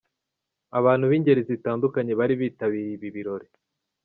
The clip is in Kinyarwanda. Abantu b'ingeri zitandukanye bari bitabiriye ibi birori.